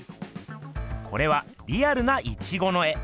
これはリアルなイチゴの絵。